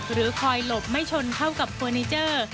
หรือคอยหลบไม่ชนเข้ากับเฟอร์นิเจอร์